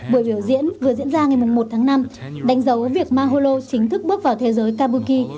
buổi biểu diễn vừa diễn ra ngày một tháng năm đánh dấu việc maholo chính thức bước vào thế giới kabuki